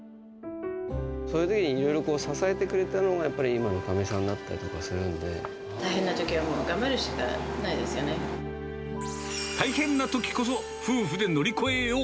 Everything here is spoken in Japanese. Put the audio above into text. そういうときにいろいろこう、支えてくれたのが、やっぱり、今のおかみさんだったりとかする大変なときはもう、頑張るし大変なときこそ、夫婦で乗り越えよう。